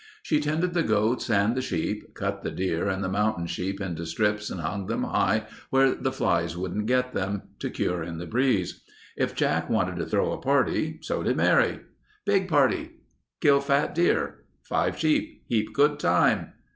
She tended the goats and the sheep, cut the deer and the mountain sheep into strips and hung them high, where the flies wouldn't get them, to cure in the breeze. If Jack wanted to throw a party, so did Mary. "... Big party ... kill fat steer. Five sheep. Heap good time...."